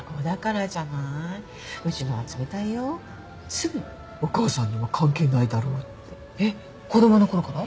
すぐに「お母さんには関係ないだろ」って。えっ子供のころから？